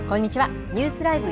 ニュースＬＩＶＥ！